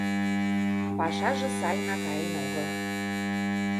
Пашаже сайынак каен огыл.